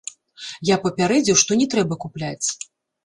Я папярэдзіў, што не трэба купляць.